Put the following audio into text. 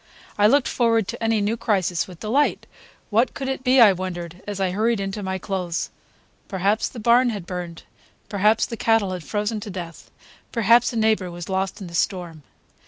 I looked forward to any new crisis with delight. What could it be, I wondered, as I hurried into my clothes. Perhaps the barn had burned; perhaps the cattle had frozen to death; perhaps a neighbor was lost in the storm.